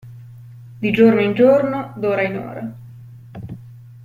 Di giorno in giorno, d'ora in ora.